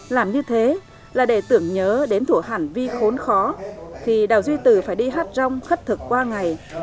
làm như thế là để tưởng nhớ đến thủa hẳn vi khốn khó khi đào duy từ phải đi hát rong khất thực qua ngày